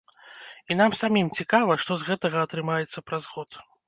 І нам самім цікава, што з гэтага атрымаецца праз год.